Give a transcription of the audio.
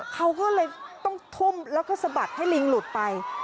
เขาก็เลยต้องทุ่มแล้วก็สะบัดให้ลิงหลุดไป